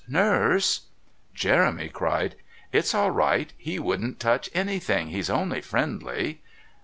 Nurse..." Jeremy cried: "It's all right, he wouldn't touch anything, he's only friendly."